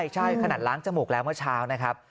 ใช่ขนาดล้างจมูกแล้วเมื่อเช้านะครับ